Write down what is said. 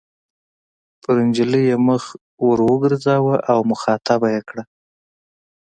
پر نجلۍ یې مخ ور وګرځاوه او مخاطبه یې کړه.